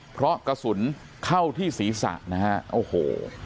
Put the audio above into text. เพราะกระสุนเข้าที่ศีรษะนะฮะโอ้โห